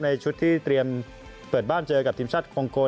ชุดที่เตรียมเปิดบ้านเจอกับทีมชาติคองโก